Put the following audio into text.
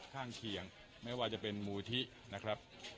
ข้างเคียงไม่ว่าจะเป็นมูลที่นะครับ